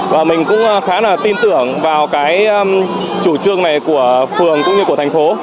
và mình cũng khá là tin tưởng vào cái chủ trương này của phường cũng như của thành phố